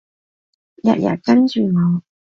日日跟住我